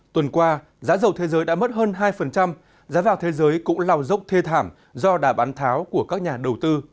tuần qua giá dầu thế giới đã mất hơn hai giá vàng thế giới cũng lao dốc thê thảm do đà bán tháo của các nhà đầu tư